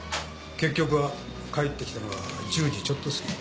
結局帰ってきたのは１０時ちょっと過ぎ。